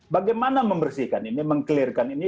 bagaimana membersihkan ini mengkelirkan ini